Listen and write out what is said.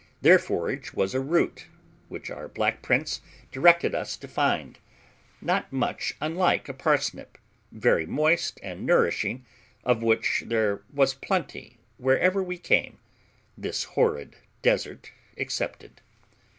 Their forage was a root, which our black prince directed us to find, not much unlike a parsnip, very moist and nourishing, of which there was plenty wherever we came, this horrid desert excepted.